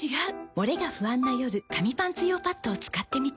モレが不安な夜紙パンツ用パッドを使ってみた。